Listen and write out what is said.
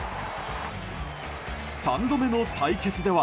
３度目の対決では。